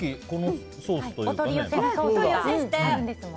お取り寄せして。